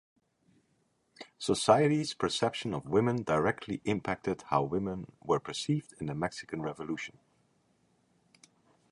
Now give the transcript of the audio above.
Society’s perception of women directly impacted how women were perceived in the Mexican Revolution.